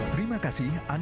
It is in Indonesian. dan klologi team